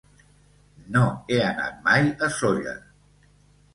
No he anat mai a Sóller.